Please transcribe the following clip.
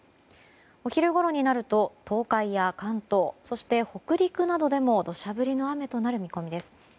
お昼ごろになると東海や関東そして北陸などでも土砂降りの雨となる見込みです。